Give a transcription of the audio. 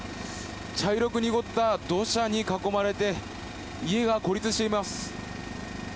茶色く濁った土砂に囲まれて家が孤立しています。